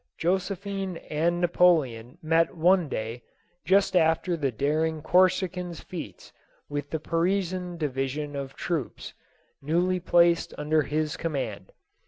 Josephine and Napoleon met one day, just after' the daring Corsican's feats with the Parisian division of troops, newly placed under his command.